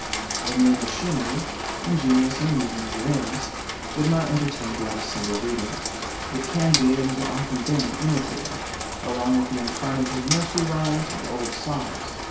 The mere machinery, ingenious and amusing as it is, would not entertain beyond a single reading; it can be and has often been imitated, along with the incarnated nursery rhymes and old saws.